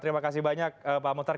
terima kasih banyak pak muhtar